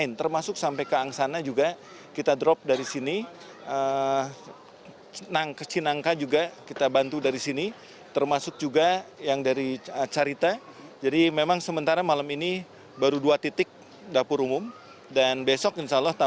bersama saya ratu nabila